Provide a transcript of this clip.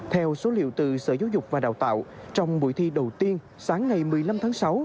theo số liệu từ sở giáo dục và đào tạo trong buổi thi đầu tiên sáng ngày một mươi năm tháng sáu